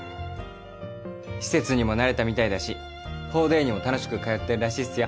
施設にも慣れたみたいだし放デイにも楽しく通ってるらしいっすよ。